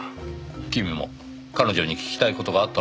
君も彼女に聞きたい事があったのではありませんか？